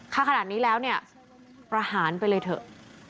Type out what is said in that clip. ถ้าขนาดนี้แล้วเนี่ยประหารไปเลยเถอะ